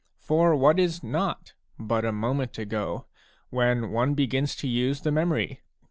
For what is not "but a moment ago" when one begins to use the memory